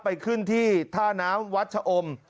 ไปขึ้นที่ท่าน้ำวัดชะอม